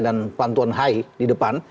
dan pantuan hai di depan